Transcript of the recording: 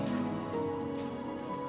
bukan aku nek